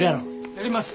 やります。